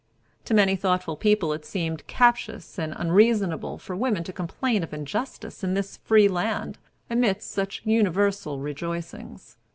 To many thoughtful people it seemed captious and unreasonable for women to complain of injustice in this free land, amidst such universal rejoicings.